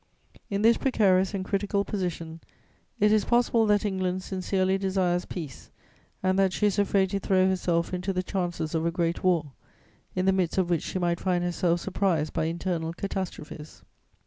In this precarious and critical position, it is possible that England sincerely desires peace and that she is afraid to throw herself into the chances of a great war, in the midst of which she might find herself surprised by internal catastrophes.